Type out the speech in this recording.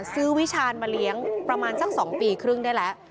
ซื้อวิชานมาเลี้ยงประมาณสักสองปีครึ่งได้แหละ